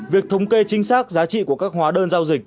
việc thống kê chính xác giá trị của các hóa đơn giao dịch